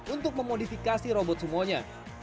untuk memodifikasi robot sumonya